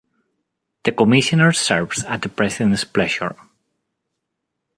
The commissioner serves at the president's pleasure.